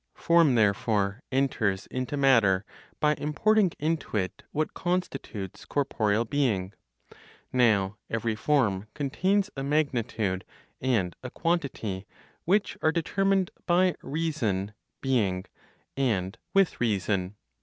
Form therefore enters into matter by importing into it (what constitutes corporeal being); now every form contains a magnitude and a quantity which are determined by reason ("being"), and with reason.